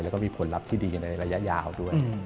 แล้วก็มีผลลัพธ์ที่ดีในระยะยาวด้วย